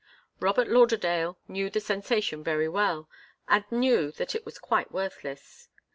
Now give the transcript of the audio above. Robert Lauderdale knew the sensation very well and knew that it was quite worthless.